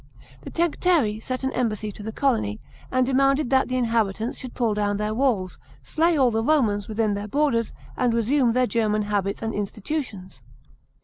The Tencteri sent an embassy to the colony, and demanded that the inhabitants should pull down their walls, slay all the Romans within their borders, and resume their German habits and institutions.